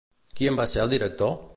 Qui en va ser el director?